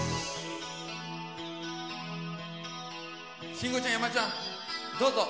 慎吾ちゃん山ちゃんどうぞ。